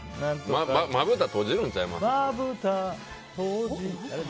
まぶた閉じるんちゃいます？